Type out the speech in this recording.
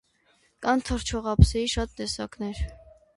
Կան թռչող ափսեի շատ տեսակներ։